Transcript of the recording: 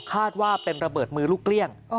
คาดว่าเป็นระเบิดมือลูกเกลี้ยง